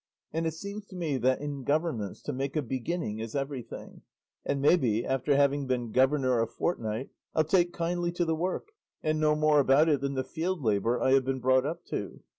And it seems to me that, in governments, to make a beginning is everything; and maybe, after having been governor a fortnight, I'll take kindly to the work and know more about it than the field labour I have been brought up to."